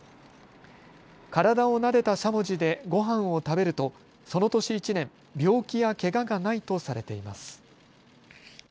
体をなでたしゃもじでごはんを食べるとその年１年病気やけががないとされています。